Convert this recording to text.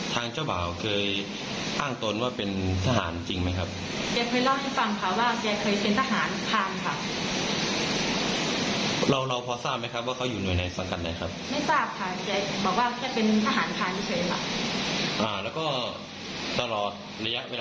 ทางเจ้าเบ่าเคยอ้างตนว่าเป็นทหารจริงไหมครับ